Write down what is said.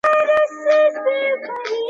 درلود.